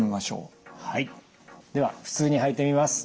では普通に履いてみます。